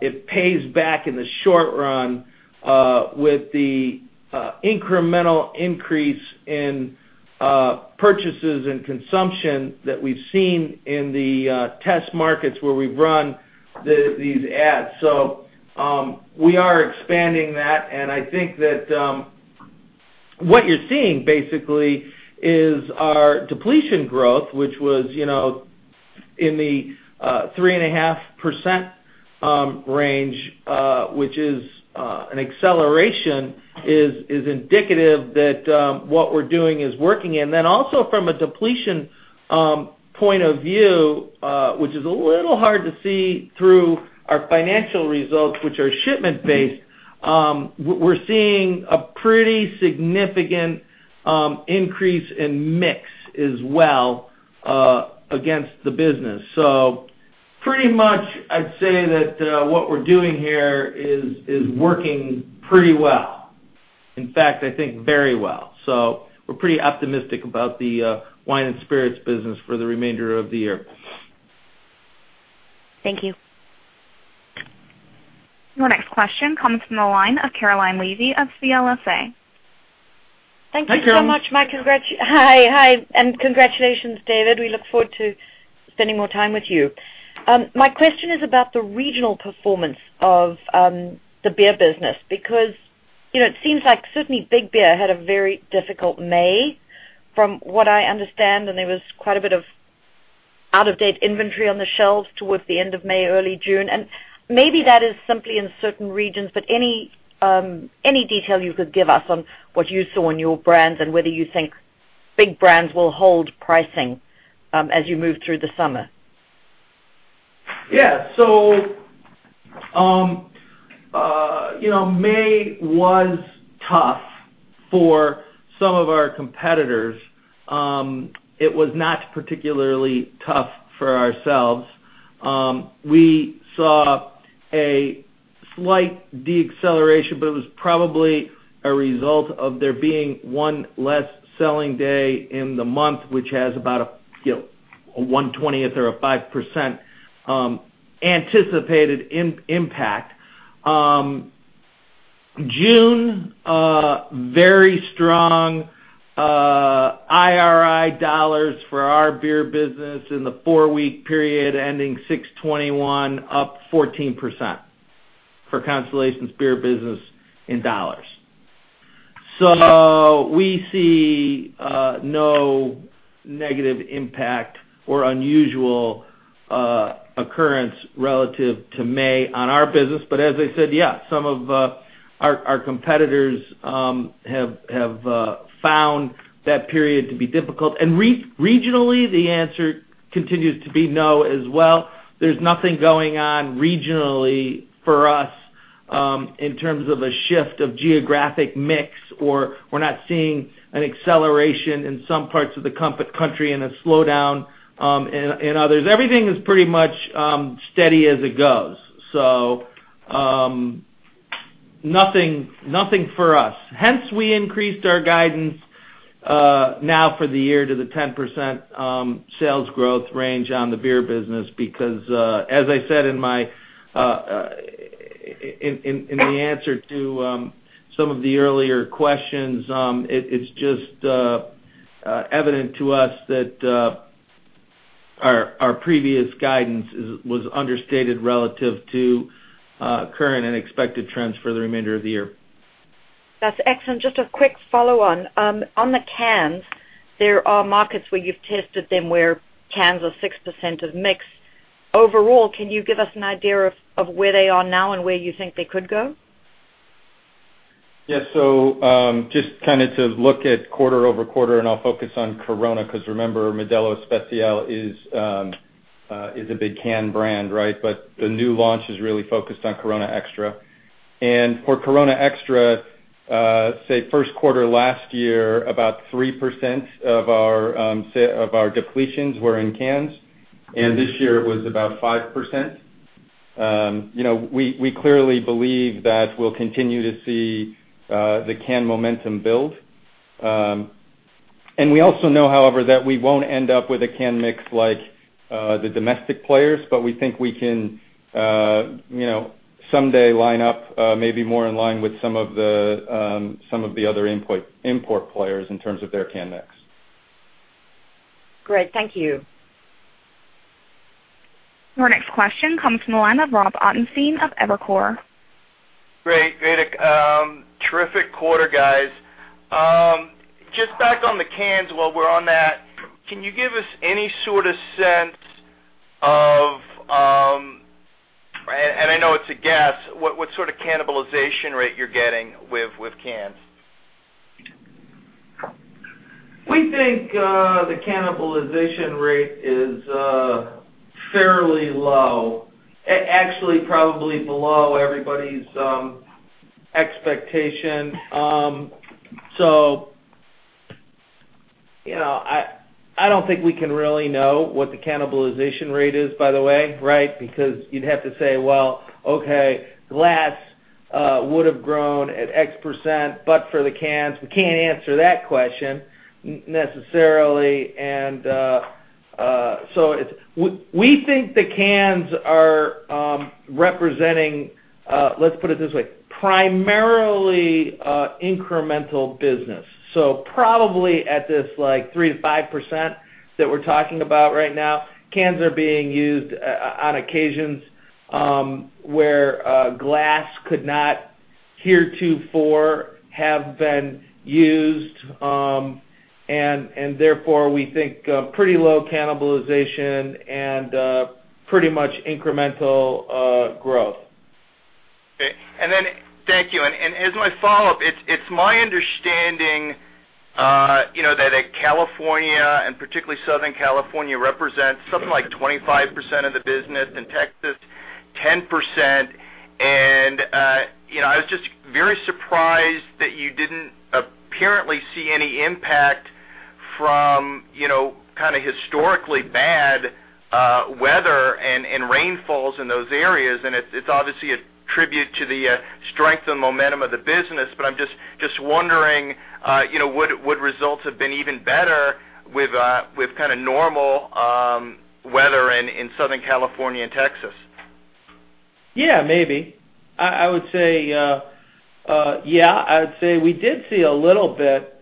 it pays back in the short run with the incremental increase in purchases and consumption that we've seen in the test markets where we've run these ads. We are expanding that, and I think that what you're seeing basically is our depletion growth, which was in the 3.5% range, which is an acceleration, is indicative that what we're doing is working. Also from a depletion point of view, which is a little hard to see through our financial results, which are shipment based, we're seeing a pretty significant increase in mix as well, against the business. Pretty much I'd say that what we're doing here is working pretty well. In fact, I think very well. We're pretty optimistic about the wine and spirits business for the remainder of the year. Thank you. Your next question comes from the line of Caroline Levy of CLSA. Hi, Caroline. Thank you so much. Hi, and congratulations, David. We look forward to spending more time with you. My question is about the regional performance of the beer business, because it seems like certainly big beer had a very difficult May, from what I understand, and there was quite a bit of out-of-date inventory on the shelves towards the end of May, early June. Maybe that is simply in certain regions, but any detail you could give us on what you saw in your brands and whether you think big brands will hold pricing as you move through the summer? May was tough for some of our competitors. It was not particularly tough for ourselves. We saw a slight deceleration, but it was probably a result of there being one less selling day in the month, which has about a 1/20th or a 5% anticipated impact. June, very strong IRI dollars for our beer business in the four-week period ending 6/21, up 14% for Constellation's beer business in dollars. We see no negative impact or unusual occurrence relative to May on our business. As I said, some of our competitors have found that period to be difficult. Regionally, the answer continues to be no as well. There is nothing going on regionally for us, in terms of a shift of geographic mix or we are not seeing an acceleration in some parts of the country and a slowdown in others. Everything is pretty much steady as it goes. Nothing for us. Hence, we increased our guidance now for the year to the 10% sales growth range on the beer business because, as I said in the answer to some of the earlier questions, it is just evident to us that our previous guidance was understated relative to current and expected trends for the remainder of the year. That is excellent. Just a quick follow-on. On the cans, there are markets where you have tested them where cans are 6% of mix. Overall, can you give us an idea of where they are now and where you think they could go? Yes. Just to look at quarter-over-quarter, I will focus on Corona, because remember Modelo Especial is a big can brand, right? The new launch is really focused on Corona Extra. For Corona Extra, say first quarter last year, about 3% of our depletions were in cans, and this year it was about 5%. We clearly believe that we will continue to see the can momentum build. We also know, however, that we will not end up with a can mix like the domestic players, but we think we can someday line up maybe more in line with some of the other import players in terms of their can mix. Great. Thank you. Your next question comes from the line of Robert Ottenstein of Evercore. Great. Terrific quarter, guys. Just back on the cans while we're on that, can you give us any sort of sense of, and I know it's a guess, what sort of cannibalization rate you're getting with cans? We think the cannibalization rate is fairly low, actually probably below everybody's expectation. I don't think we can really know what the cannibalization rate is, by the way, right? Because you'd have to say, well, okay, glass would have grown at X%, but for the cans, we can't answer that question necessarily. We think the cans are representing, let's put it this way, primarily incremental business. Probably at this 3%-5% that we're talking about right now, cans are being used on occasions where glass could not heretofore have been used. Therefore, we think pretty low cannibalization and pretty much incremental growth. Okay. Thank you. As my follow-up, it's my understanding that California, and particularly Southern California, represents something like 25% of the business, and Texas 10%. I was just very surprised that you didn't apparently see any impact from historically bad weather and rainfalls in those areas. It's obviously a tribute to the strength and momentum of the business, but I'm just wondering would results have been even better with normal weather in Southern California and Texas? Yeah, maybe. I would say, yeah. I would say we did see a little bit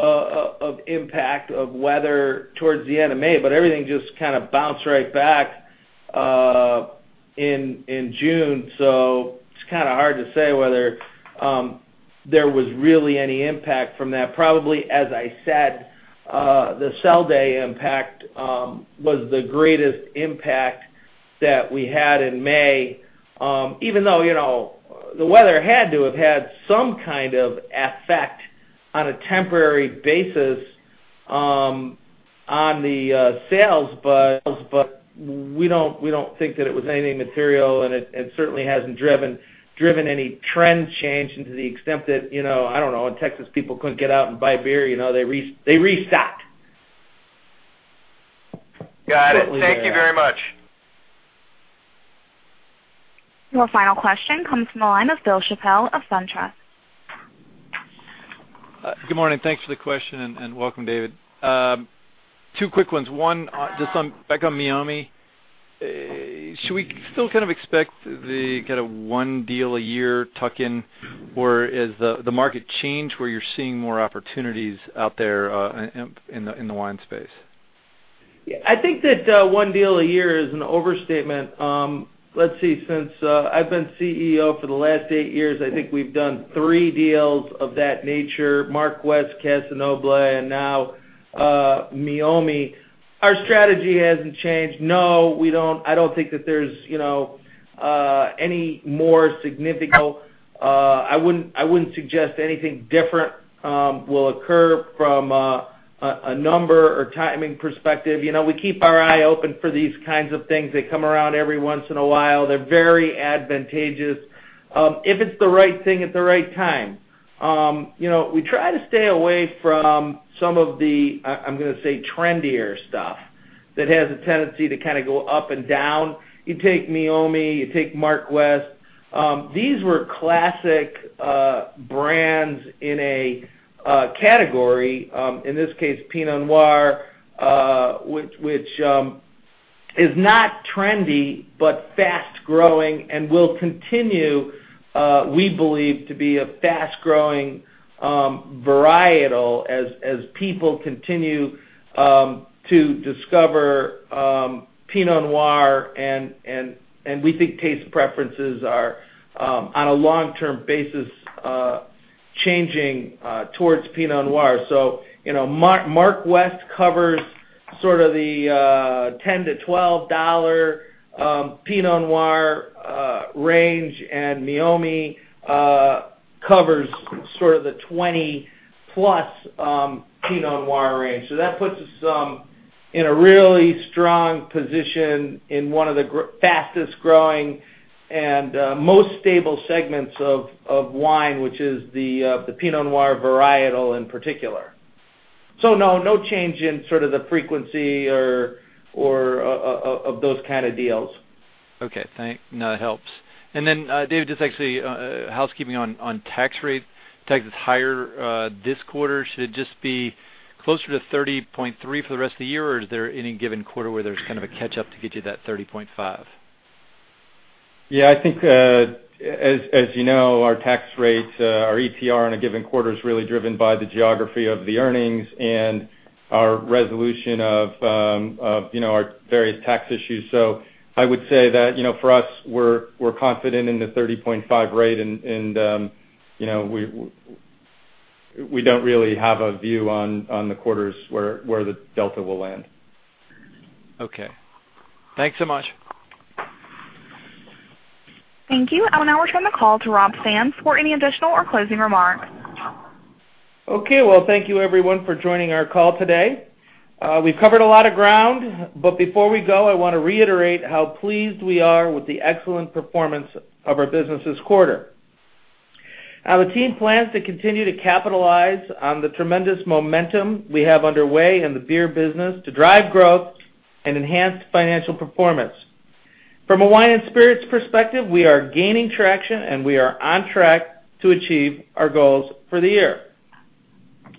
of impact of weather towards the end of May, but everything just bounced right back in June. It's hard to say whether there was really any impact from that. Probably, as I said, the sell day impact was the greatest impact that we had in May, even though the weather had to have had some kind of effect on a temporary basis on the sales, but we don't think that it was anything material, and it certainly hasn't driven any trend change into the extent that, I don't know, in Texas, people couldn't get out and buy beer. They restocked. Got it. Thank you very much. Your final question comes from the line of Bill Chappell of SunTrust. Good morning. Thanks for the question. Welcome, David. Two quick ones. One, just back on Meiomi. Should we still expect the 1 deal a year tuck in? Has the market changed where you're seeing more opportunities out there in the wine space? I think that 1 deal a year is an overstatement. Let's see, since I've been CEO for the last 8 years, I think we've done 3 deals of that nature, Mark West, Casa Noble, and now Meiomi. Our strategy hasn't changed. I wouldn't suggest anything different will occur from a number or timing perspective. We keep our eye open for these kinds of things. They come around every once in a while. They're very advantageous. If it's the right thing at the right time. We try to stay away from some of the, I'm going to say, trendier stuff that has a tendency to go up and down. You take Meiomi, you take Mark West. These were classic brands in a category, in this case, Pinot Noir, which is not trendy but fast-growing and will continue, we believe, to be a fast-growing varietal as people continue to discover Pinot Noir, and we think taste preferences are on a long-term basis changing towards Pinot Noir. Mark West covers Sort of the $10 to $12 Pinot Noir range. Meiomi covers sort of the 20-plus Pinot Noir range. That puts us in a really strong position in 1 of the fastest-growing and most stable segments of wine, which is the Pinot Noir varietal in particular. No change in sort of the frequency or of those kind of deals. Okay, thanks. No, it helps. David, just actually, housekeeping on tax rate. Tax is higher this quarter. Should it just be closer to 30.3% for the rest of the year, or is there any given quarter where there's kind of a catch-up to get you that 30.5%? Yeah, I think, as you know, our tax rates, our ETR on a given quarter is really driven by the geography of the earnings and our resolution of our various tax issues. I would say that, for us, we're confident in the 30.5% rate, and we don't really have a view on the quarters where the delta will land. Okay. Thanks so much. Thank you. I'll now return the call to Rob Sands for any additional or closing remarks. Okay. Well, thank you everyone for joining our call today. We've covered a lot of ground. Before we go, I want to reiterate how pleased we are with the excellent performance of our business this quarter. The team plans to continue to capitalize on the tremendous momentum we have underway in the beer business to drive growth and enhance financial performance. From a wine and spirits perspective, we are gaining traction. We are on track to achieve our goals for the year.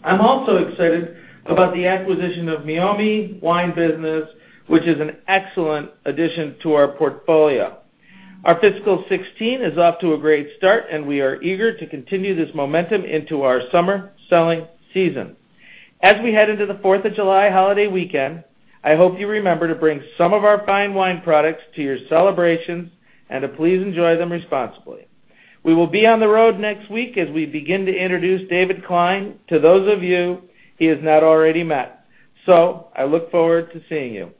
I'm also excited about the acquisition of Meiomi wine business, which is an excellent addition to our portfolio. Our fiscal 2016 is off to a great start. We are eager to continue this momentum into our summer selling season. As we head into the 4th of July holiday weekend, I hope you remember to bring some of our fine wine products to your celebrations and to please enjoy them responsibly. We will be on the road next week as we begin to introduce David Klein to those of you he has not already met. I look forward to seeing you.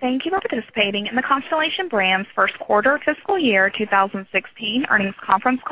Thank you for participating in the Constellation Brands first quarter fiscal year 2016 earnings conference call